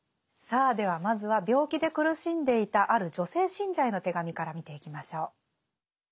さあではまずは病気で苦しんでいたある女性信者への手紙から見ていきましょう。